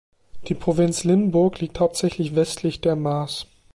Die Provinz Limburg liegt hauptsächlich westlich der Maas.